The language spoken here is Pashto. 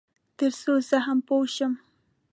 تر څو زه هم پوه شم.